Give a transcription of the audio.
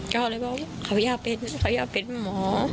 ก็เลยบอกว่าเขาอยากเป็นหมอ